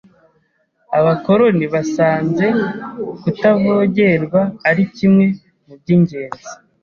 Abakoloni basanze kutavogerwa ari kimwe mu by’ingenzi